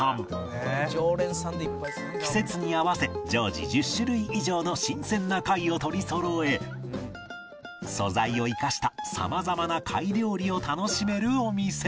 季節に合わせ常時１０種類以上の新鮮な貝を取りそろえ素材を生かした様々な貝料理を楽しめるお店